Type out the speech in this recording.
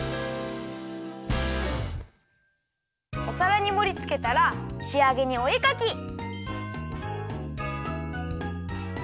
おさらにもりつけたらしあげにおえかき！